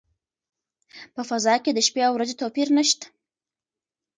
په فضا کې د شپې او ورځې توپیر نشته.